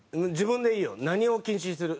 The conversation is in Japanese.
何を禁止にする？